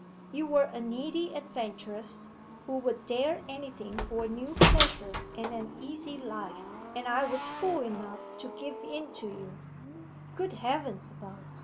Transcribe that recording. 'You were a needy adventuress, who would dare anything for a new pleasure and an easy life and I was fool enough to give in to you ' 'Good heavens above!